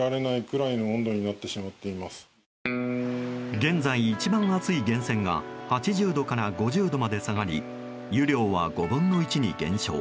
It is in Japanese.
現在、一番熱い源泉が８０度から５０度まで下がり湯量は５分の１に減少。